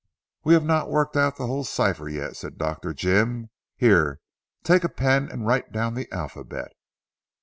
"We have not worked out the whole cipher yet," said Dr. Jim, "here, take a pen and write down the alphabet."